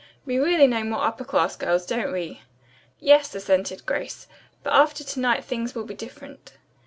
We really know more upper class girls, don't we?" "Yes," assented Grace. "But after to night things will be different."